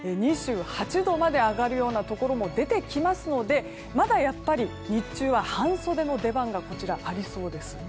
２８度まで上がるようなところも出てきますのでまだやっぱり日中は半袖の出番がありそうです。